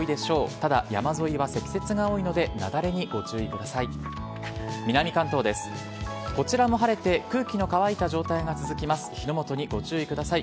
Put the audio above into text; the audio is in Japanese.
ただ、山沿いは積雪が多いので、雪崩にご注意ください。